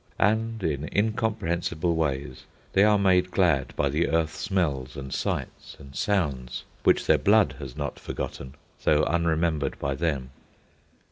And in incomprehensible ways they are made glad by the earth smells and sights and sounds which their blood has not forgotten though unremembered by them.